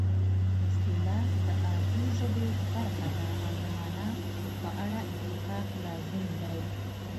اصطلاح د عادي ژبې برخه ده او د مانا په اړه اتفاق لازم دی